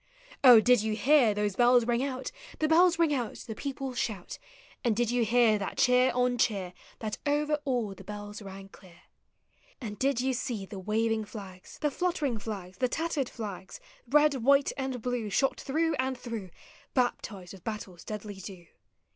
Oh, did you hear those bells ring out, The bells Hug out. the people shout. And did you hear that cheer on cheer That over all the bells rang clear? And did you see the waving Hags, The fluttering tlags, the tattered Hags, Red, white, and blue, shot through ami through, Raptized with battle's deadly dew?